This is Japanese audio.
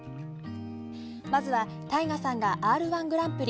まずは、ＴＡＩＧＡさんが「Ｒ‐１ぐらんぷり」